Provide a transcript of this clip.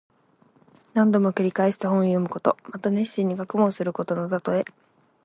何度も繰り返して本を読むこと。また熱心に学問することのたとえ。